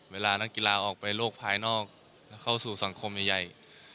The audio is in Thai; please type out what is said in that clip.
เวลานักกีฬาออกไปโลกภายนอกแล้วเข้าสู่สังคมใหญ่